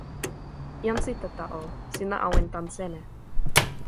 jan Sitata o, sina awen tan seme?